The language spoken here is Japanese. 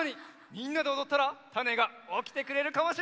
みんなでおどったらタネがおきてくれるかもしれない！